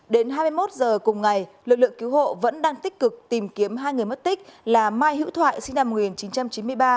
đến hai mươi một h cùng ngày lực lượng cứu hộ vẫn đang tích cực tìm kiếm hai người mất tích là mai hữu thoại sinh năm một nghìn chín trăm chín mươi ba